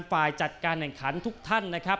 ฝ่ายจัดการแข่งขันทุกท่านนะครับ